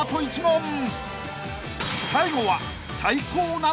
［最後は］